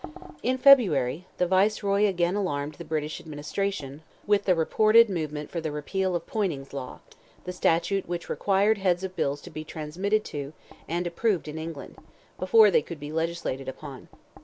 In February, the Viceroy again alarmed the British administration, with the reported movement for the repeal of "Poyning's law,"—the statute which required heads of bills to be transmitted to, and approved in England, before they could be legislated upon.